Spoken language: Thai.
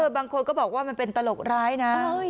บางคนก็บอกว่ามันเป็นตลกร้ายนะ